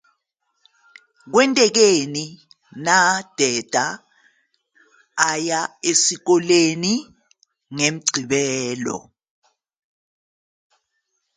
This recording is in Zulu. Kwenzekeni uma uDeda eya esikoleni ngoMgqibelo?